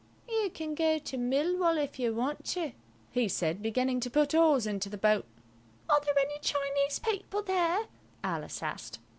"You can go to Millwall if you want to," he said, beginning to put oars into the boat. "Are there any Chinese people there?" Alice asked.